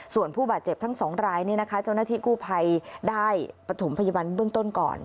ส่วนผู้บาดเจ็บทั้งสองรายนี่นะคะเจ้านาธิกู้ภัยได้ประถมพยาบาลด้วยต้นก่อน